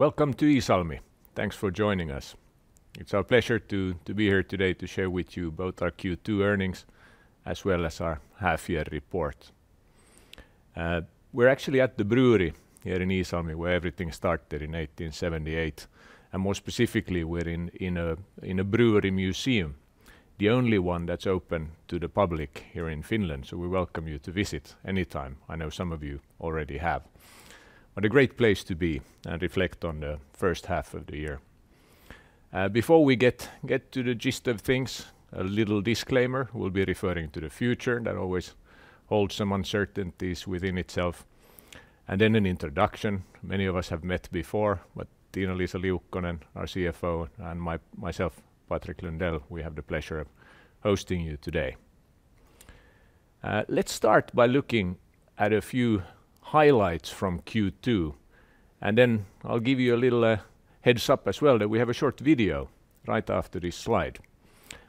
Welcome to Iisalmi. Thanks for joining us. It's our pleasure to be here today to share with you both our Q2 earnings, as well as our half-year report. We're actually at the brewery here in Iisalmi, where everything started in 1878, and more specifically, we're in a brewery museum, the only one that's open to the public here in Finland. So we welcome you to visit anytime. I know some of you already have. What a great place to be and reflect on the first half of the year. Before we get to the gist of things, a little disclaimer, we'll be referring to the future, that always holds some uncertainties within itself. And then an introduction. Many of us have met before, but Tiina-Liisa Liukkonen, our CFO, and myself, Patrik Lundell, we have the pleasure of hosting you today. Let's start by looking at a few highlights from Q2, and then I'll give you a little heads-up as well that we have a short video right after this slide.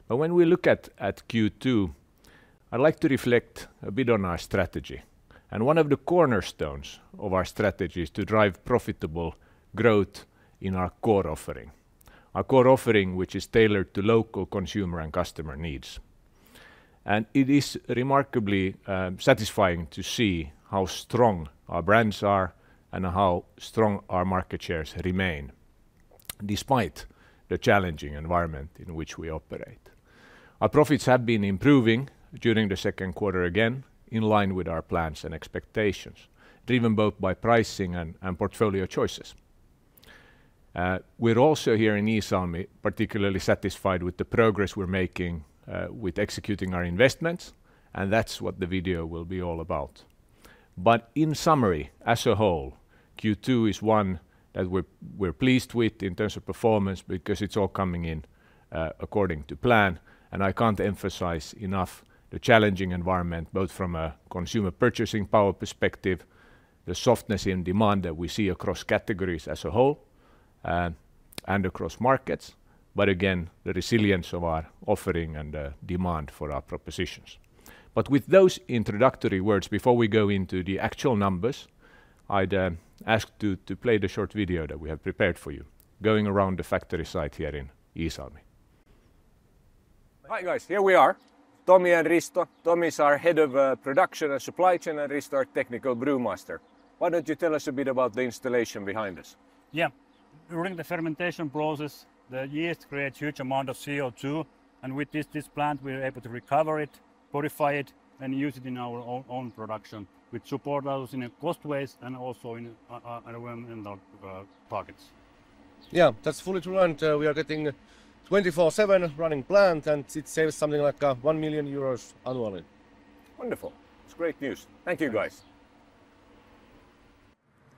But when we look at Q2, I'd like to reflect a bit on our strategy. And one of the cornerstones of our strategy is to drive profitable growth in our core offering, our core offering, which is tailored to local consumer and customer needs. And it is remarkably satisfying to see how strong our brands are and how strong our market shares remain, despite the challenging environment in which we operate. Our profits have been improving during the second quarter, again, in line with our plans and expectations, driven both by pricing and portfolio choices. We're also here in Iisalmi, particularly satisfied with the progress we're making with executing our investments, and that's what the video will be all about. But in summary, as a whole, Q2 is one that we're pleased with in terms of performance because it's all coming in according to plan, and I can't emphasize enough the challenging environment, both from a consumer purchasing power perspective, the softness in demand that we see across categories as a whole, and across markets, but again, the resilience of our offering and the demand for our propositions. But with those introductory words, before we go into the actual numbers, I'd ask to play the short video that we have prepared for you, going around the factory site here in Iisalmi. Hi, guys, here we are, Tomi and Risto. Tomi is our head of production and supply chain, and Risto, our technical brewmaster. Why don't you tell us a bit about the installation behind us? Yeah. During the fermentation process, the yeast creates huge amount of CO2, and with this plant, we're able to recover it, purify it, and use it in our own production, which support us in a cost ways and also in our targets. Yeah, that's fully true, and we are getting 24/7 running plant, and it saves something like 1 million euros annually. Wonderful! It's great news. Thank you, guys.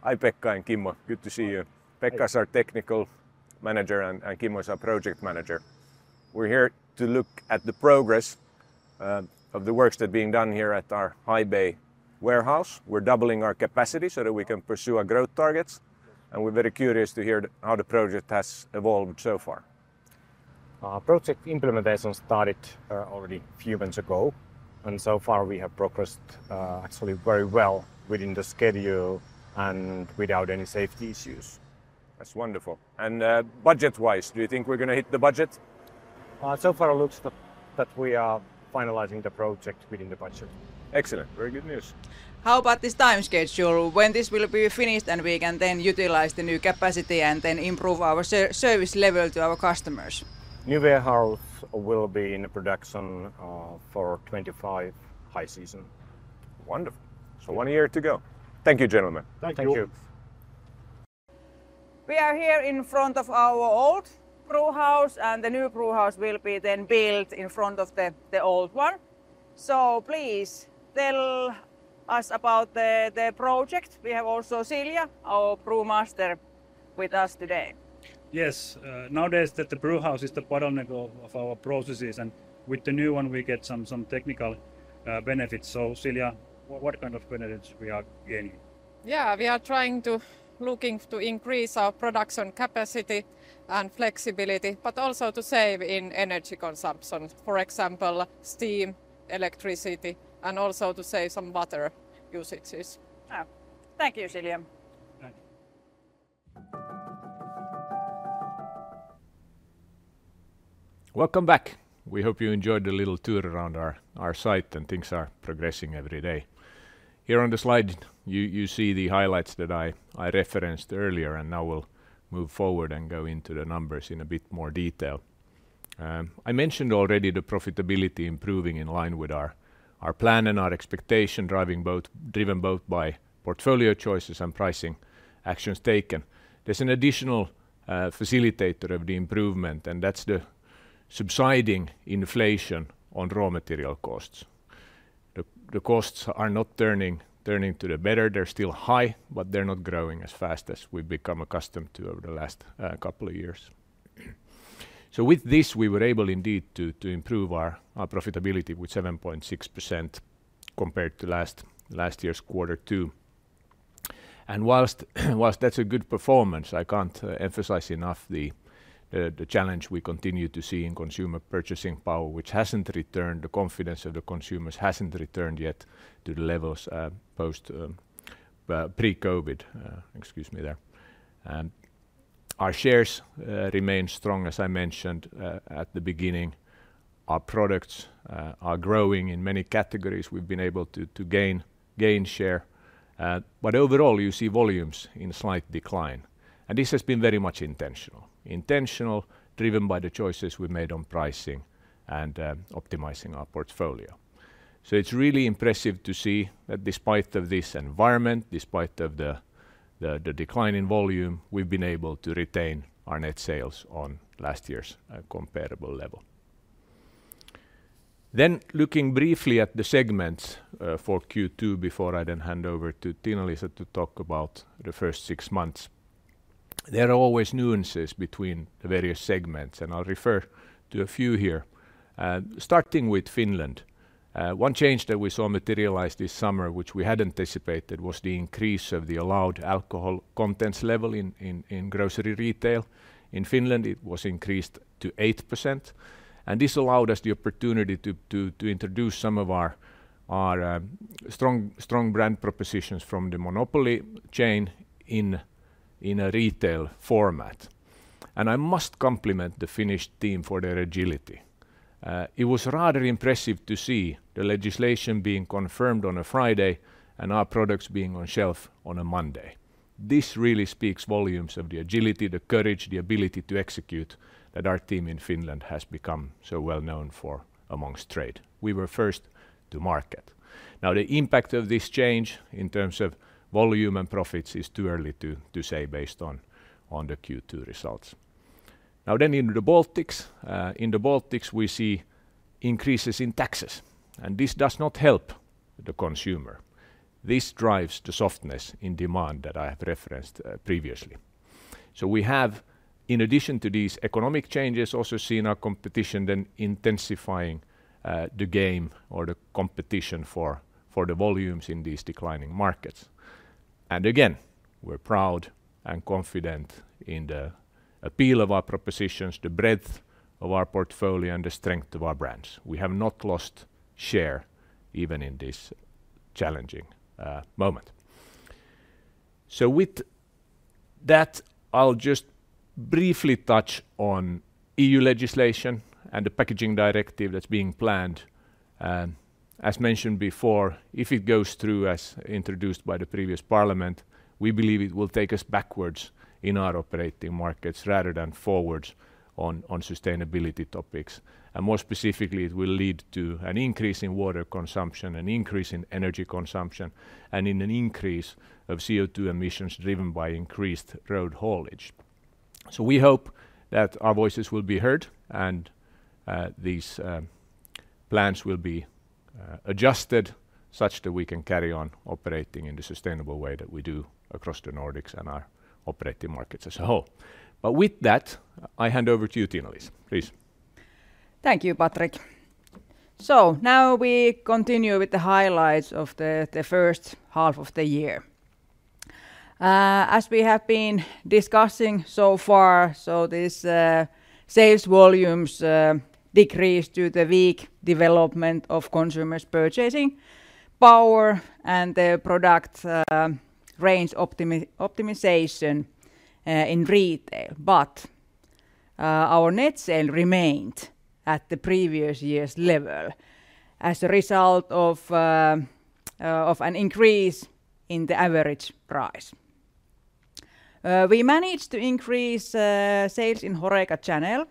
Hi, Pekka and Kimmo, good to see you. Hi. Pekka is our technical manager, and Kimmo is our project manager. We're here to look at the progress of the works that are being done here at our high bay warehouse. We're doubling our capacity so that we can pursue our growth targets, and we're very curious to hear how the project has evolved so far. Project implementation started already a few months ago, and so far we have progressed actually very well within the schedule and without any safety issues. That's wonderful. Budget-wise, do you think we're gonna hit the budget? So far it looks that we are finalizing the project within the budget. Excellent. Very good news. How about this time schedule? When this will be finished, and we can then utilize the new capacity and then improve our service level to our customers? New warehouse will be in production for '25 high season. Wonderful. So one year to go. Thank you, gentlemen. Thank you. Thank you. We are here in front of our old brewhouse, and the new brewhouse will be then built in front of the old one. So please tell us about the project. We have also Silja, our brewmaster, with us today. Yes, nowadays, that the brewhouse is the bottleneck of our processes, and with the new one, we get some technical benefits. So Silja, what kind of benefits we are gaining? Yeah, we are looking to increase our production capacity and flexibility, but also to save in energy consumption, for example, steam, electricity, and also to save some water usages. Ah, thank you, Silja. Thank you. Welcome back. We hope you enjoyed the little tour around our site, and things are progressing every day. Here on the slide, you see the highlights that I referenced earlier, and now we'll move forward and go into the numbers in a bit more detail. I mentioned already the profitability improving in line with our plan and our expectation, driven both by portfolio choices and pricing actions taken. There's an additional facilitator of the improvement, and that's the subsiding inflation on raw material costs. The costs are not turning to the better. They're still high, but they're not growing as fast as we've become accustomed to over the last couple of years. So with this, we were able indeed to improve our profitability with 7.6% compared to last year's quarter two. While that's a good performance, I can't emphasize enough the challenge we continue to see in consumer purchasing power, which hasn't returned. The confidence of the consumers hasn't returned yet to the levels pre-COVID, excuse me there. Our shares remain strong, as I mentioned at the beginning. Our products are growing in many categories. We've been able to gain share. But overall, you see volumes in slight decline, and this has been very much intentional. Intentional, driven by the choices we've made on pricing and optimizing our portfolio. So it's really impressive to see that despite of this environment, despite of the decline in volume, we've been able to retain our net sales on last year's comparable level. Then, looking briefly at the segments for Q2 before I then hand over to Tiina-Liisa to talk about the first six months. There are always nuances between the various segments, and I'll refer to a few here. Starting with Finland, one change that we saw materialized this summer, which we had anticipated, was the increase of the allowed alcohol contents level in grocery retail. In Finland, it was increased to 8%, and this allowed us the opportunity to introduce some of our strong brand propositions from the monopoly chain in a retail format. And I must compliment the Finnish team for their agility. It was rather impressive to see the legislation being confirmed on a Friday, and our products being on shelf on a Monday. This really speaks volumes of the agility, the courage, the ability to execute, that our team in Finland has become so well-known for amongst trade. We were first to market. Now, the impact of this change in terms of volume and profits is too early to say based on the Q2 results. Now, then in the Baltics, we see increases in taxes, and this does not help the consumer. This drives the softness in demand that I have referenced previously. So we have, in addition to these economic changes, also seen our competition then intensifying the game or the competition for the volumes in these declining markets. And again, we're proud and confident in the appeal of our propositions, the breadth of our portfolio, and the strength of our brands. We have not lost share even in this challenging moment. So with that, I'll just briefly touch on EU legislation and the Packaging Directive that's being planned. As mentioned before, if it goes through as introduced by the previous parliament, we believe it will take us backwards in our operating markets rather than forwards on, on sustainability topics. And more specifically, it will lead to an increase in water consumption, an increase in energy consumption, and in an increase of CO2 emissions driven by increased road haulage. So we hope that our voices will be heard, and these plans will be adjusted, such that we can carry on operating in the sustainable way that we do across the Nordics and our operating markets as a whole. But with that, I hand over to you, Tiina-Liisa. Please. Thank you, Patrik. Now we continue with the highlights of the first half of the year. As we have been discussing so far, sales volumes decreased due to the weak development of consumers' purchasing power and the product range optimization in retail. But our net sales remained at the previous year's level as a result of an increase in the average price. We managed to increase sales in HoReCa channel,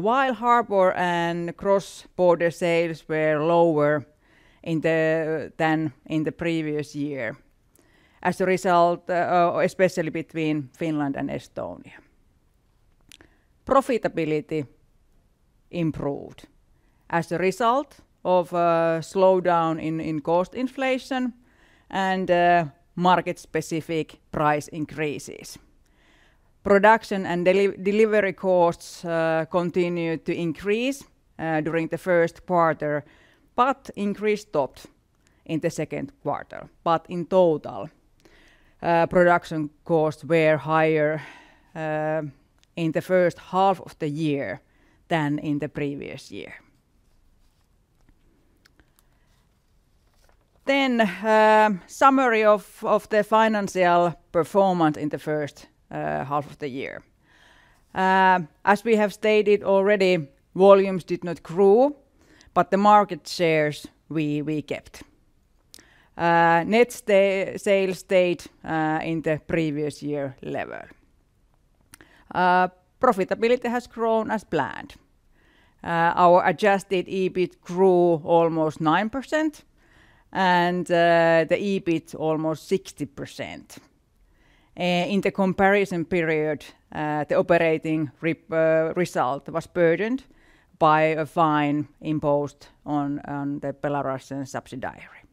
while harbor and cross-border sales were lower than in the previous year, as a result, especially between Finland and Estonia. Profitability improved as a result of a slowdown in cost inflation and market-specific price increases. Production and delivery costs continued to increase during the first quarter, but increase stopped in the second quarter. But in total, production costs were higher in the first half of the year than in the previous year. Then, summary of the financial performance in the first half of the year. As we have stated already, volumes did not grow, but the market shares we kept. Net sales stayed in the previous year level. Profitability has grown as planned. Our adjusted EBIT grew almost 9%, and the EBIT almost 60%. In the comparison period, the operating result was burdened by a fine imposed on the Belarusian subsidiary.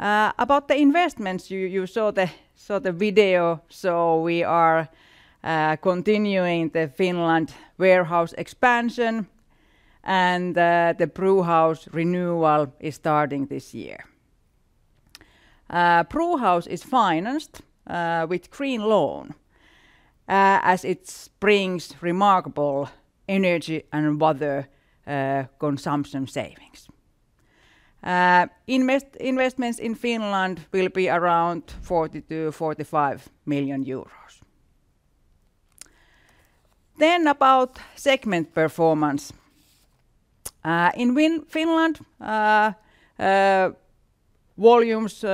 About the investments, you saw the video, so we are continuing the Finland warehouse expansion, and the brewhouse renewal is starting this year. Brewhouse is financed with green loan, as it brings remarkable energy and other consumption savings. Investments in Finland will be around 40 million-45 million euros. About segment performance. In Finland, volumes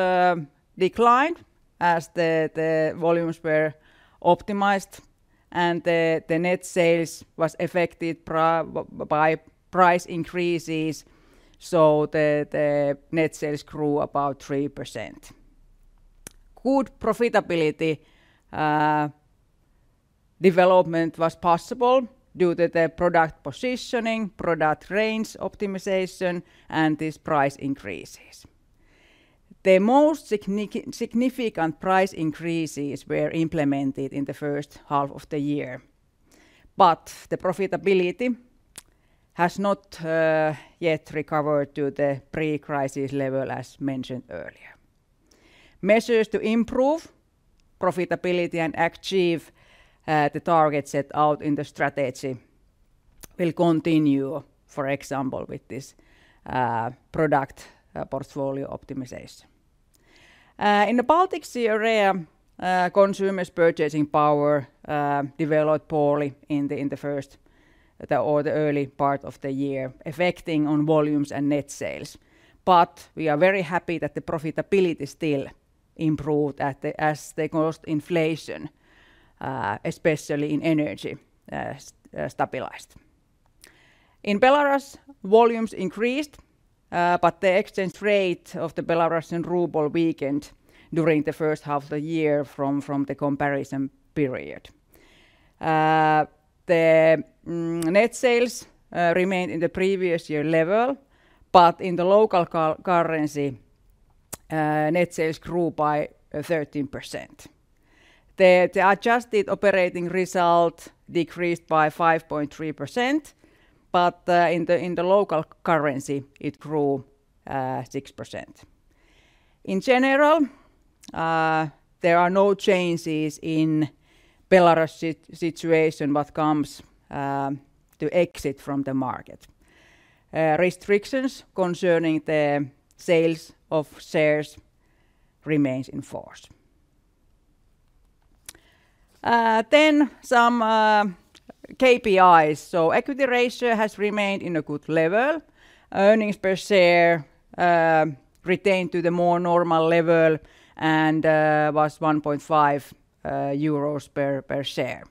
declined as the volumes were optimized, and the net sales was affected by price increases, so the net sales grew about 3%. Good profitability development was possible due to the product positioning, product range optimization, and these price increases. The most significant price increases were implemented in the first half of the year, but the profitability has not yet recovered to the pre-crisis level, as mentioned earlier. Measures to improve profitability and achieve the target set out in the strategy will continue, for example, with this product portfolio optimization. In the Baltic Sea area, consumers' purchasing power developed poorly in the early part of the year, affecting on volumes and net sales. But we are very happy that the profitability still improved as the cost inflation, especially in energy, stabilized. In Belarus, volumes increased, but the exchange rate of the Belarusian ruble weakened during the first half of the year from the comparison period. The net sales remained in the previous year level, but in the local currency, net sales grew by 13%. The adjusted operating result decreased by 5.3%, but in the local currency, it grew 6%. In general, there are no changes in Belarus situation what comes to exit from the market. Restrictions concerning the sales of shares remains in force. Then some KPIs. Equity ratio has remained in a good level. Earnings per share retained to the more normal level and was 1.5 euros per share.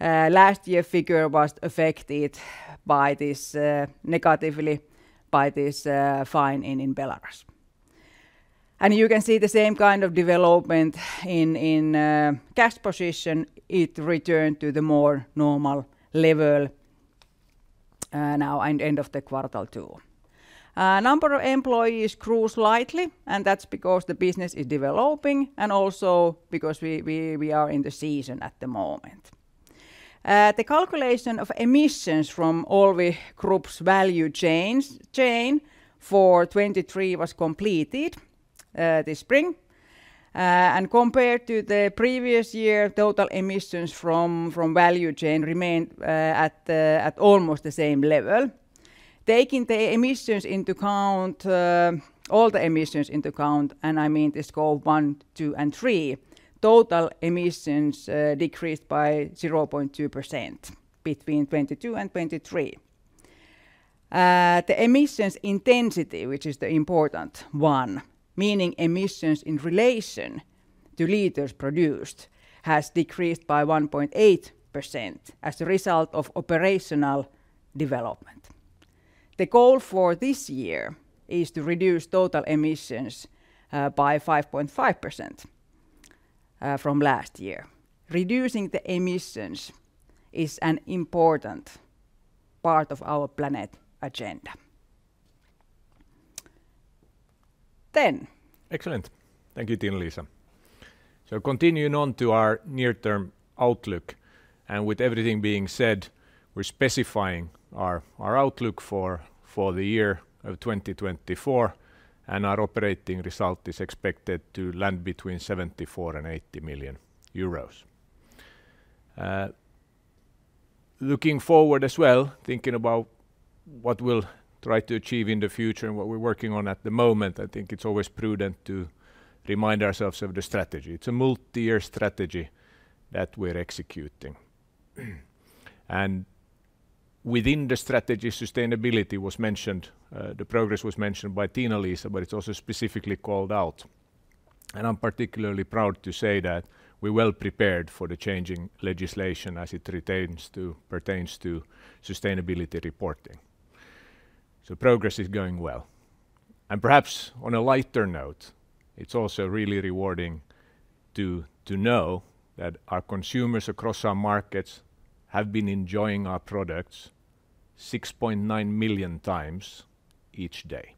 Last year figure was affected by this negatively by this fine in Belarus. You can see the same kind of development in cash position, it returned to the more normal level now and end of quarter two. Number of employees grew slightly, and that's because the business is developing and also because we are in the season at the moment. The calculation of emissions from all the group's value chain for 2023 was completed this spring. And compared to the previous year, total emissions from value chain remained at almost the same level. Taking the emissions into account, all the emissions into account, and I mean the Scope 1, 2, and 3, total emissions decreased by 0.2% between 2022 and 2023. The emissions intensity, which is the important one, meaning emissions in relation to liters produced, has decreased by 1.8% as a result of operational development. The goal for this year is to reduce total emissions by 5.5% from last year. Reducing the emissions is an important part of our planet agenda. Then- Excellent. Thank you, Tiina-Liisa. So continuing on to our near-term outlook, and with everything being said, we're specifying our outlook for the year of 2024, and our operating result is expected to land between 74 million and 80 million euros. Looking forward as well, thinking about what we'll try to achieve in the future and what we're working on at the moment, I think it's always prudent to remind ourselves of the strategy. It's a multi-year strategy that we're executing. And within the strategy, sustainability was mentioned, the progress was mentioned by Tiina-Liisa, but it's also specifically called out, and I'm particularly proud to say that we're well prepared for the changing legislation as it pertains to sustainability reporting. So progress is going well. Perhaps on a lighter note, it's also really rewarding to know that our consumers across our markets have been enjoying our products 6.9 million times each day.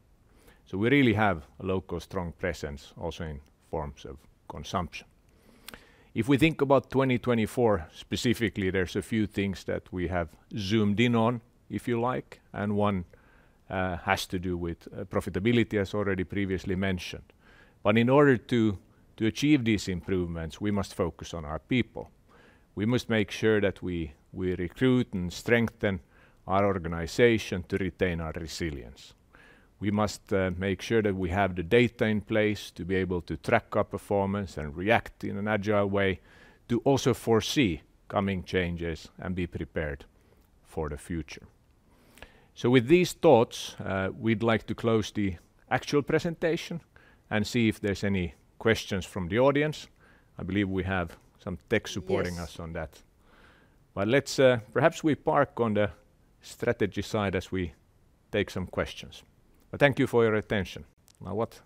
So we really have a local, strong presence also in forms of consumption. If we think about 2024 specifically, there's a few things that we have zoomed in on, if you like, and one has to do with profitability, as already previously mentioned. But in order to achieve these improvements, we must focus on our people. We must make sure that we recruit and strengthen our organization to retain our resilience. We must make sure that we have the data in place to be able to track our performance and react in an agile way, to also foresee coming changes and be prepared for the future. So with these thoughts, we'd like to close the actual presentation and see if there's any questions from the audience. I believe we have some tech supporting- Yes... us on that. But let's... Perhaps we park on the strategy side as we take some questions. But thank you for your attention. Now, what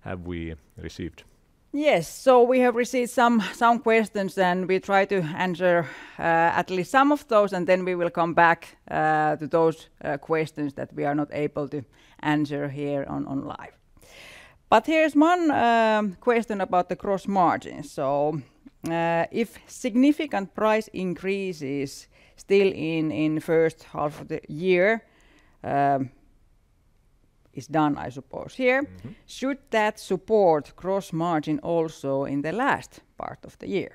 have we received? Yes, so we have received some questions, and we try to answer at least some of those, and then we will come back to those questions that we are not able to answer here on live. But here's one question about the gross margin. So, if significant price increases still in first half of the year is done, I suppose, here- Mm-hmm... should that support gross margin also in the last part of the year?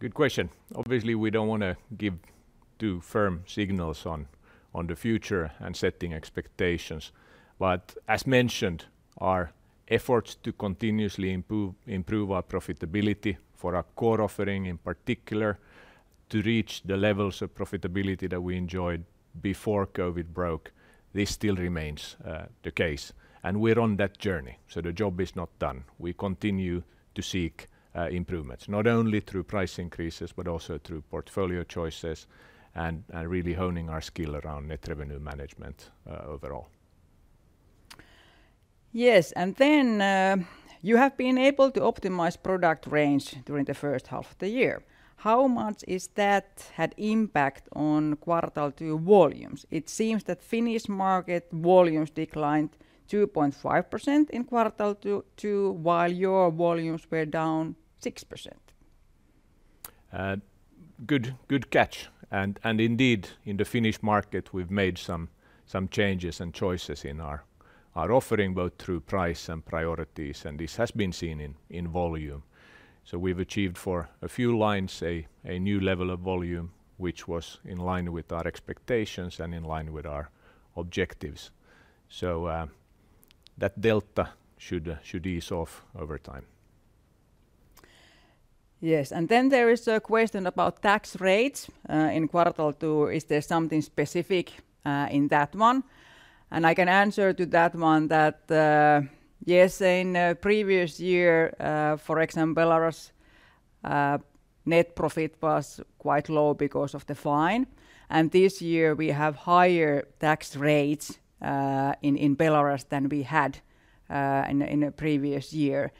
Good question. Obviously, we don't wanna give too firm signals on the future and setting expectations. But as mentioned, our efforts to continuously improve our profitability for our core offering, in particular, to reach the levels of profitability that we enjoyed before COVID broke, this still remains the case, and we're on that journey, so the job is not done. We continue to seek improvements, not only through price increases, but also through portfolio choices and really honing our skill around net revenue management overall. Yes, and then, you have been able to optimize product range during the first half of the year. How much is that had impact on quarter two volumes? It seems that Finnish market volumes declined 2.5% in quarter two, two, while your volumes were down 6%. Good catch. And indeed, in the Finnish market, we've made some changes and choices in our offering, both through price and priorities, and this has been seen in volume. So we've achieved for a few lines, say, a new level of volume, which was in line with our expectations and in line with our objectives. So that delta should ease off over time. Yes, and then there is a question about tax rates in quarter two. Is there something specific in that one? I can answer to that one that yes, in previous year, for example, Belarus, net profit was quite low because of the fine, and this year we have higher tax rates in Belarus than we had in the previous year.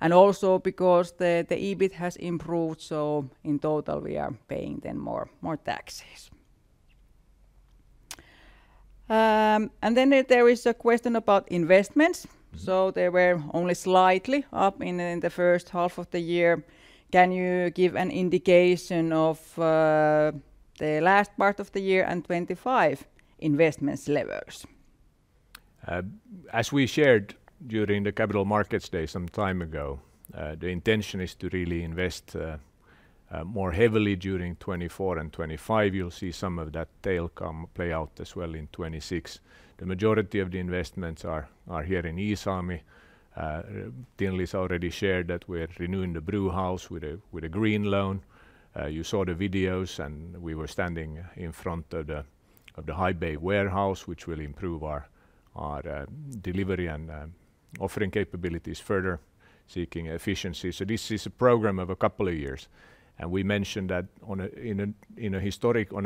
Also because the EBIT has improved, so in total we are paying them more taxes. Then there is a question about investments. They were only slightly up in the first half of the year. Can you give an indication of the last part of the year and 2025 investments levels? As we shared during the Capital Markets Day some time ago, the intention is to really invest more heavily during 2024 and 2025. You'll see some of that tail come play out as well in 2026. The majority of the investments are here in Iisalmi. Tiina-Liisa's already shared that we're renewing the brewhouse with a green loan. You saw the videos, and we were standing in front of the high bay warehouse, which will improve our delivery and offering capabilities, further seeking efficiency. So this is a program of a couple of years, and we mentioned that on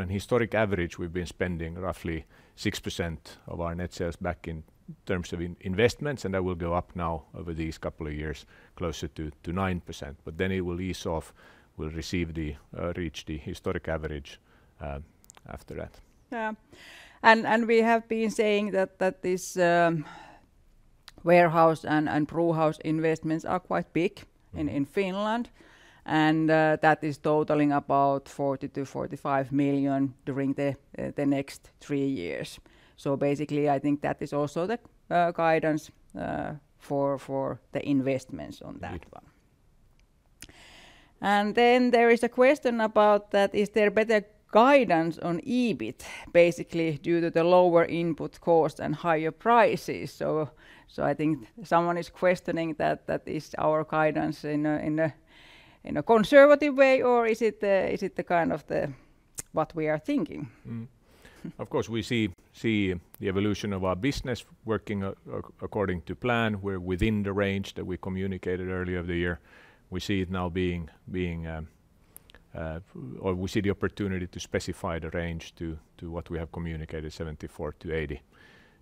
an historic average, we've been spending roughly 6% of our net sales back in terms of investments, and that will go up now over these couple of years, closer to 9%. But then it will ease off. We'll reach the historic average after that. Yeah. And we have been saying that this warehouse and brewhouse investments are quite big in Finland, and that is totaling about 40-45 million during the next three years. So basically, I think that is also the guidance for the investments on that one. Good. And then there is a question about that, is there better guidance on EBIT, basically, due to the lower input cost and higher prices? So, I think someone is questioning that, that is our guidance in a conservative way, or is it the kind of what we are thinking? Of course, we see the evolution of our business working according to plan. We're within the range that we communicated earlier of the year. We see it now being. Or we see the opportunity to specify the range to what we have communicated, 74-80.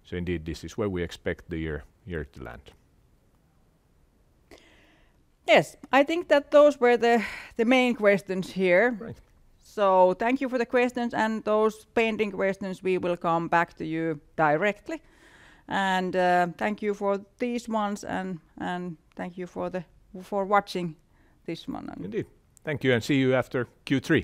So indeed, this is where we expect the year to land. Yes, I think that those were the main questions here. Right. So, thank you for the questions, and those pending questions, we will come back to you directly. And, thank you for these ones, and thank you for watching this one. Indeed. Thank you, and see you after Q3.